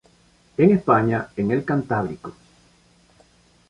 En España en el Cantábrico.